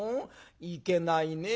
いけないね。